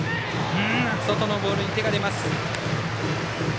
外のボールに手が出ます。